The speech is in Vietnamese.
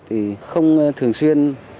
thì không thường xuyên